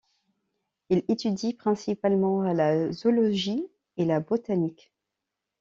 Il étudie principalement la zoologie et la botanique.